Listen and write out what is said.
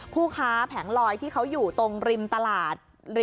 ผู้ค้าแผงลอยที่เขาอยู่ตรงริมตลาด